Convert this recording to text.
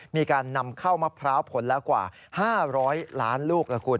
มีการนำเข้ามะพร้าวผลแล้วกว่า๕๐๐ล้านลูกละคุณ